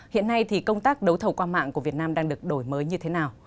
hiện nay thì công tác đấu thầu qua mạng của việt nam đang được đổi mới như thế nào